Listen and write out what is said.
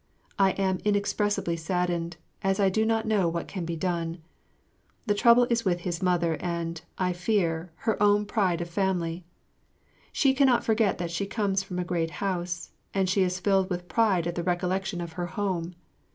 I am inexpressibly saddened, as I do not know what can be done. The trouble is with his mother and, I fear, her own pride of family. She cannot forget that she comes from a great house, and she is filled with pride at the recollection of her home.